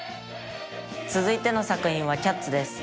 「続いての作品は『キャッツ』です」